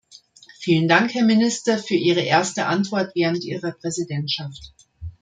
Vielen Dank, Herr Minister, für Ihre erste Antwort während Ihrer Präsidentschaft.